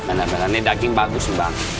bener bener ini daging bagus nih bang